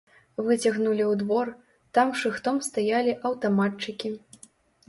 Выцягнулі ў двор, там шыхтом стаялі аўтаматчыкі.